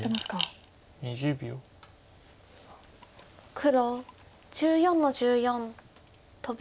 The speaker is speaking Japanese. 黒１４の十四トビ。